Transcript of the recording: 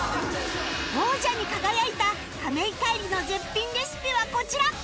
王者に輝いた亀井海聖の絶品レシピはこちら